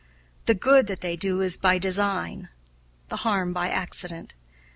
The good that they do is by design; the harm by accident.